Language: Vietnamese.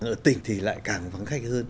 ở tỉnh thì lại càng vắng khách hơn